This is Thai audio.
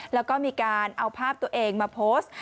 แล้วก็มีการเอาภาพตัวเองมาโพสต์